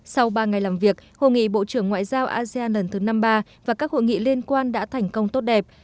sau ba ngày làm việc hội nghị bộ trưởng ngoại giao asean lần thứ năm mươi ba và các hội nghị liên quan đã thành công tốt đẹp